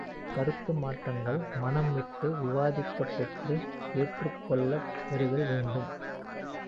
கருத்து மாற்றங்கள் மனம்விட்டு விவாதிக்கப் பெற்று ஏற்றுக் கொள்ளப் பெறுதல் வேண்டும்.